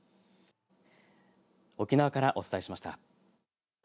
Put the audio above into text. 沖縄からお伝えしました。